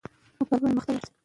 پرمختګ فرصتونه زیاتوي.